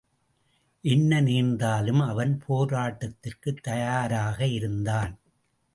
என்ன நேர்ந்தாலும் அவன் போராட்டத்திற்குத் தயாராயிருந்தான்.